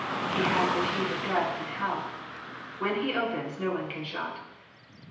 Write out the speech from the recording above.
He has "the keys of death and hell." When He opens no one can shut. (Rom.